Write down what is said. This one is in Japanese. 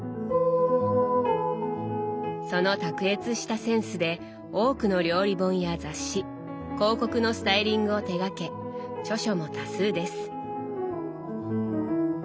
その卓越したセンスで多くの料理本や雑誌広告のスタイリングを手がけ著書も多数です。